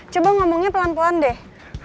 coba ngomongnya pelan pelan deh